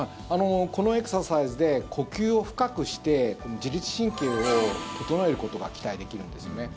このエクササイズで呼吸を深くして自律神経を整えることが期待できるんですよね。